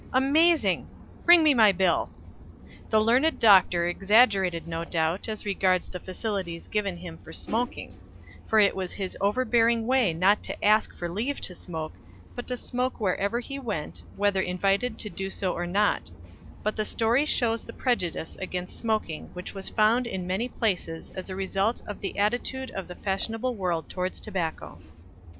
Amazing! Bring me my bill." The learned doctor exaggerated no doubt as regards the facilities given him for smoking; for it was his overbearing way not to ask for leave to smoke, but to smoke wherever he went, whether invited to do so or not; but the story shows the prejudice against smoking which was found in many places as a result of the attitude of the fashionable world towards tobacco.